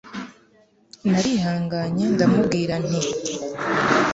narihanganye ndamubwira nti